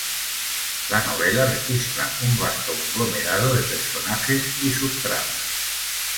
La novela registra un vasto conglomerado de personajes y subtramas.